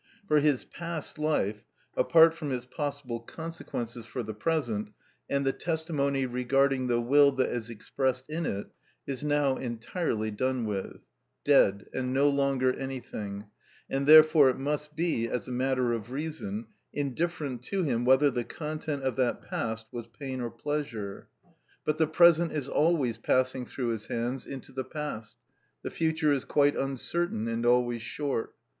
For his past life, apart from its possible consequences for the present, and the testimony regarding the will that is expressed in it, is now entirely done with, dead, and no longer anything; and, therefore, it must be, as a matter of reason, indifferent to him whether the content of that past was pain or pleasure. But the present is always passing through his hands into the past; the future is quite uncertain and always short.